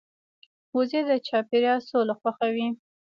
وزې د چاپېریال سوله خوښوي